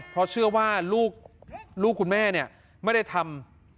เพราะเชื่อว่าลูกคุณแม่เนี่ยไม่ได้ทำ